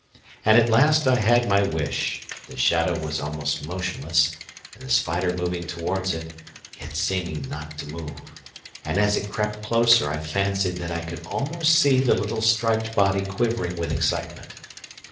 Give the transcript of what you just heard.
And at last I had my wish: the shadow was almost motionless, and the spider moving towards it, yet seeming not to move, and as it crept closer I fancied that I could almost see the little striped body quivering with excitement.